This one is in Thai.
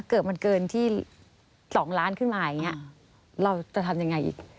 เกิดมันเกินที่๒ล้านขึ้นมาอย่างนี้เราจะทำยังไงอีก